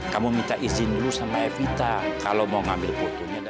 kamu minta izin dulu sama evita kalau mau ngambil fotonya